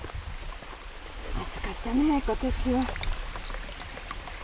暑かったね、今年は。